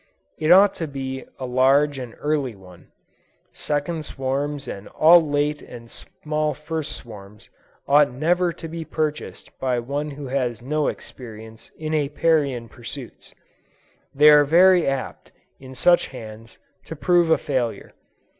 It ought to be a large and early one. Second swarms and all late and small first swarms, ought never to be purchased by one who has no experience in Apiarian pursuits. They are very apt, in such hands, to prove a failure.